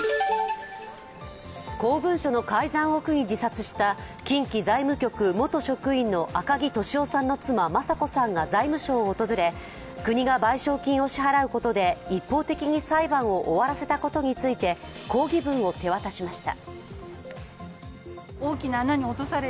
公文書の改ざんを苦に自殺した近畿財務局元職員の赤木俊夫さんの妻、雅子さんが財務省を訪れ、国が賠償金を支払うことで一方的に裁判を終わらせたことについて抗議文を手渡しました。